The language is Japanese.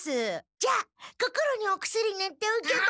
じゃあ心にお薬ぬっておけば？